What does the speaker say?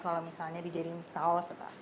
kalau misalnya dijadiin saus atau apa